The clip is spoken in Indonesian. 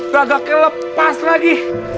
raga kelepas lagi